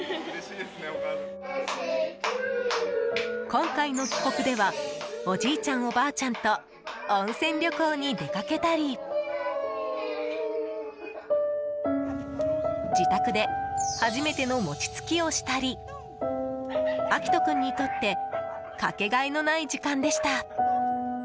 今回の帰国ではおじいちゃん、おばあちゃんと温泉旅行に出かけたり自宅で初めての餅つきをしたり秋都君にとってかけがえのない時間でした。